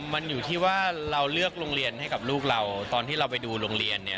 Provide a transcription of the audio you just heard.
มันอยู่ที่ว่าเราเลือกโรงเรียนให้กับลูกเราตอนที่เราไปดูโรงเรียนเนี่ย